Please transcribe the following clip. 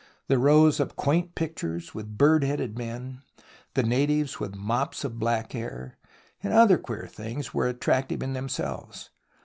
The rows of quaint pictures, with bird headed men, the natives with mops of black hair, and other queer things, were attractive in themselves.